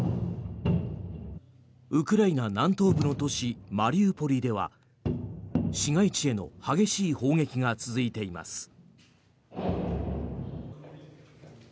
ウクライナ南東部の都市マリウポリでは市街地への激しい砲撃が続いています。